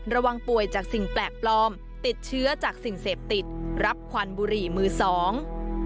ระวังป่วยจากสิ่งแปลกปลอมติดเชื้อจากสิ่งเสพติดรับควันบุหรี่มือสอง